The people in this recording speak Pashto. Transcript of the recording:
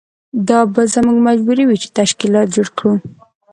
دا به زموږ مجبوري وي چې تشکیلات جوړ کړو.